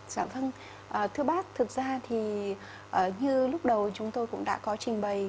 dạ vâng thưa bác thực ra thì như lúc đầu chúng tôi cũng đã có trình bày